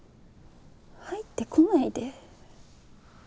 入ってこないで。